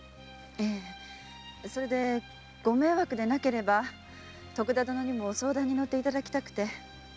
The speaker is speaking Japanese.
ええそれでご迷惑でなければ相談にのっていただきたくて。